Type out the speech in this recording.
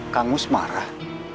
kang mus marah